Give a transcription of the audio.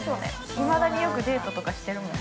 いまだに、よくデートとかしてるもん。